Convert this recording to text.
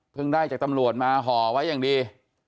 ได้จากตำรวจมาห่อไว้อย่างดี